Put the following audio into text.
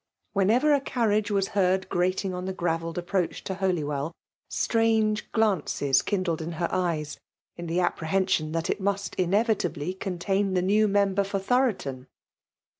Whenever a carriage was heard grating on the gravelled approach to Holywell, strange glances kindled iif'her eyes, in the apprehension that it musf iiievita; bly contsun the new member for Tho * roton.